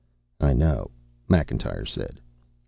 "I know," Macintyre said.